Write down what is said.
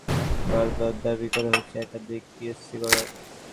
তাই নিয়োগ দেওয়ার সুবিধার্থে বারবার দাবি করা হয়েছে একাধিক পিএসসি করার।